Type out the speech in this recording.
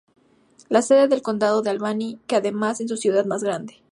La sede del condado es Albany, que además es su ciudad más grande.